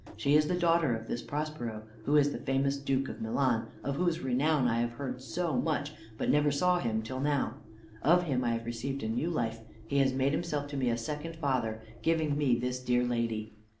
She is the daughter to this Prospero, who is the famous duke of Milan, of whose renown I have heard so much, but never saw him till now: of him I have received a new life: he has made himself to me a second father, giving me this dear lady."